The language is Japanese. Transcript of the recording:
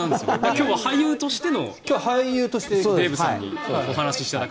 今日は俳優としての。俳優としてデーブさんにお話ししていただく。